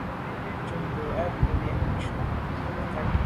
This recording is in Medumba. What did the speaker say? Númí lùcúp ŋkɔ̀k mbə̌ bū yə́nə́ shúnì zə̀ mə̀kát.